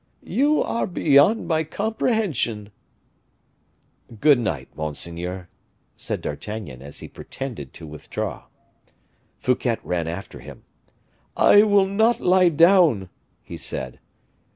"You are beyond my comprehension." "Good night, monseigneur," said D'Artagnan, as he pretended to withdraw. Fouquet ran after him. "I will not lie down," he said.